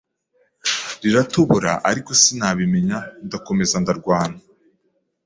riratobora ariko sinabimenya ndakomeza ndarwana,